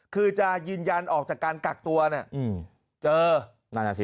คือจะยืนยันออกจากการกักตัวเนี่ยเจอ